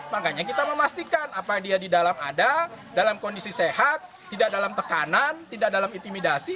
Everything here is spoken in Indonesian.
makanya kita memastikan apa dia di dalam ada dalam kondisi sehat tidak dalam tekanan tidak dalam intimidasi